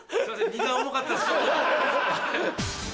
荷が重かったです。